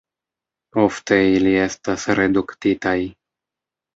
Ofte ili estas reduktitaj.